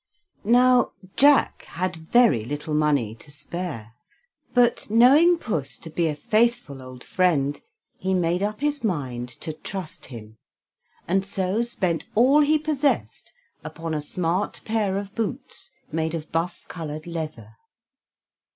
Now, Jack had very little money to spare, but, knowing Puss to be a faithful old friend, he made up his mind to trust him, and so spent all he possessed upon a smart pair of boots made of buff colored leather.